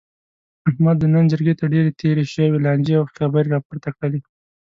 احمد د نن جرګې ته ډېرې تېرې شوې لانجې او خبرې را پورته کړلې.